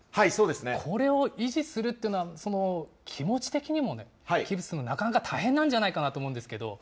これを維持するっていうのは、気持ち的にもね、維持するの、なかなか大変なんじゃないかなと思うんですけれども。